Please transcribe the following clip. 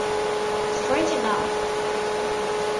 Straighten Up!